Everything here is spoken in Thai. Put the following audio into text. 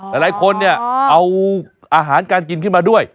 หลายคนเนี่ยเอาอาหารการกินขึ้นมาด้วย